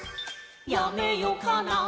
「やめよかな」